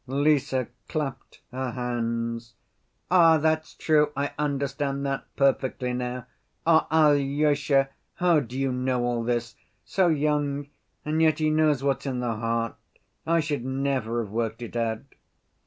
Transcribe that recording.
Lise clapped her hands. "Ah, that's true! I understand that perfectly now. Ah, Alyosha, how do you know all this? So young and yet he knows what's in the heart.... I should never have worked it out."